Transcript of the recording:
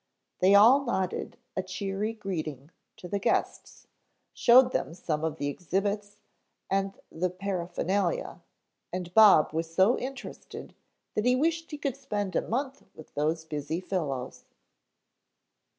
They all nodded a cheery greeting to the guests, showed them some of the exhibits, and the paraphernalia, and Bob was so interested that he wished he could spend a month with those busy fellows.